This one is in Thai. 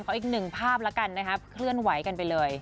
อีกหนึ่งภาพแล้วกันนะครับเคลื่อนไหวกันไปเลย